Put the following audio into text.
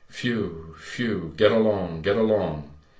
Whew! whew! get along! get along!